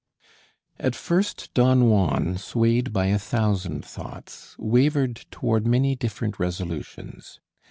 At first Don Juan, swayed by a thousand thoughts, wavered toward many different resolutions.